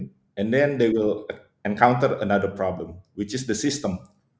dan kemudian mereka akan mengalami masalah lain yaitu sistem